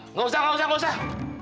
nggak usah nggak usah nggak usah